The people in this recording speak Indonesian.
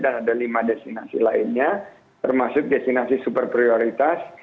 dan ada lima destinasi lainnya termasuk destinasi super prioritas